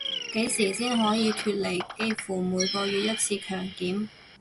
幾時先可以脫離幾乎每個月一次強檢